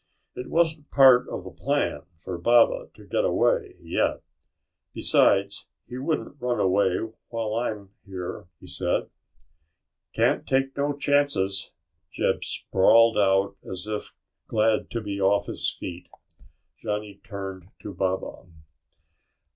It wasn't part of the plan for Baba to get away yet. "Besides, he wouldn't run away while I'm here," he said. "Can't take no chances." Jeb sprawled out as if glad to be off his feet. Johnny turned to Baba.